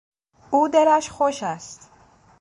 او دلش خوش است.